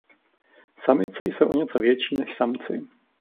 Samice jsou o něco větší než samci.